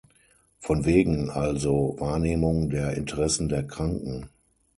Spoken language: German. Von wegen also Wahrnehmung der Interessen der Kranken!